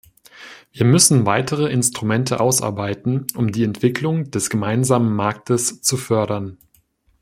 Wir müssen weitere Instrumente ausarbeiten, um die Entwicklung des Gemeinsamen Marktes zu fördern.